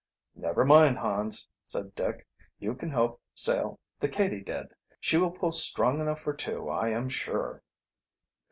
"Never mind, Hans," said Dick. "You can help sail the Katydid. She will pull strong enough for two, I am sure."